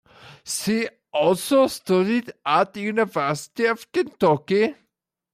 She also studied at the University of Kentucky.